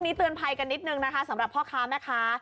เตือนภัยกันนิดนึงนะคะสำหรับพ่อค้าแม่ค้า